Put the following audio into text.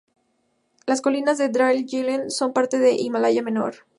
Las colinas de Darjeeling son parte del Himalaya Menor.